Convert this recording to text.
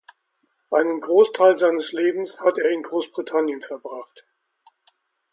Einen Großteil seines Lebens hat er in Großbritannien verbracht.